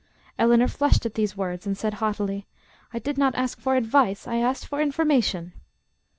Eleanor flushed at these words and said haughtily, "I did not ask for advice, I asked for information."